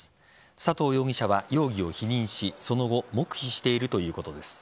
佐藤容疑者は容疑を否認しその後黙秘しているということです。